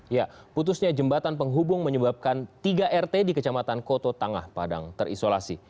ya putusnya jembatan penghubung menyebabkan tiga rt di kecamatan koto tangah padang terisolasi